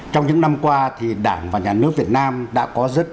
trong những năm qua thì đảng và nhà nước việt nam đã có rất nhiều